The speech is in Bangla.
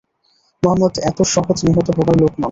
মুহাম্মাদ এত সহজে নিহত হবার লোক নন।